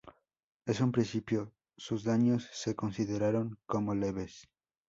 En un principio sus daños se consideraron como leves.